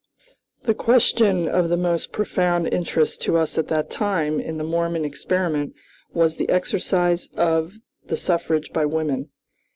The question of the most profound interest to us at that time, in the Mormon experiment, was the exercise of the suffrage by women.